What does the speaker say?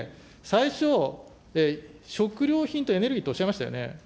最初、食料品とエネルギーとおっしゃいましたよね。